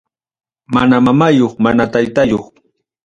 Mana mamayuq mana taytayuq.